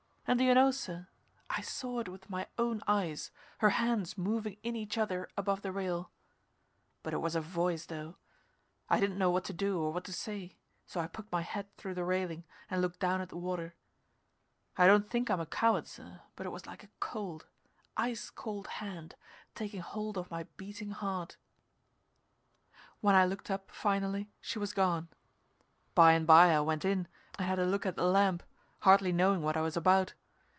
And do you know, sir, I saw it with my own eyes, her hands moving in each other above the rail. But it was her voice, though. I didn't know what to do, or what to say, so I poked my head through the railing and looked down at the water. I don't think I'm a coward, sir, but it was like a cold ice cold hand, taking hold of my beating heart. When I looked up finally, she was gone. By and by I went in and had a look at the lamp, hardly knowing what I was about.